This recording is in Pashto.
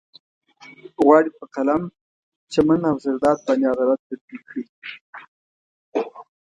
غواړي په قلم، چمن او زرداد باندې عدالت تطبيق کړي.